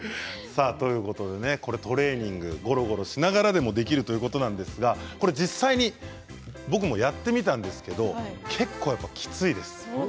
トレーニングゴロゴロしながらでもできるということなんですが実際に僕もやってみたんですけど結構やっぱりきついです。